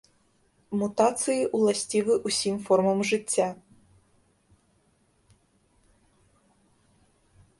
Мутацыі ўласцівы ўсім формам жыцця.